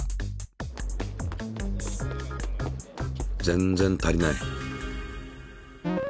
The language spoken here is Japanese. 全然足りない。